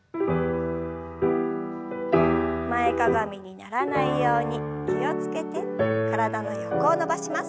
前かがみにならないように気を付けて体の横を伸ばします。